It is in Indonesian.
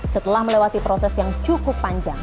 setelah melewati proses yang cukup panjang